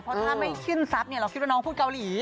เพราะถ้าไม่สิ้นทรัพย์เราคิดว่าน้องพูดเกาหลี